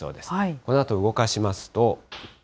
このあと動かしますと。